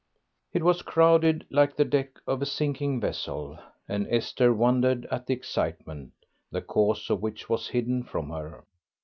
It was crowded like the deck of a sinking vessel, and Esther wondered at the excitement, the cause of which was hidden from her.